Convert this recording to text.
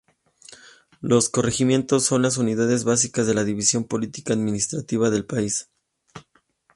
Los Corregimientos son las unidades básicas de la división política administrativa del país.